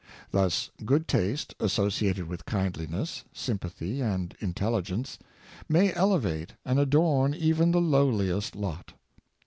Thus good taste, asso ciated with kindliness, sympathy, and inteligence, may elevate and adorn even the lowliest lot.